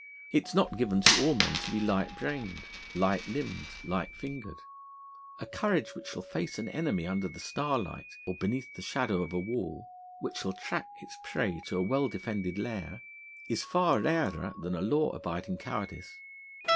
It is not given to all men to be light brained, light limbed, light fingered. A courage which shall face an enemy under the starlight, or beneath the shadow of a wall, which shall track its prey to a well defended lair, is far rarer than a law abiding cowardice.